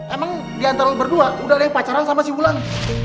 emang diantara lo berdua udah ada yang pacaran sama si ulang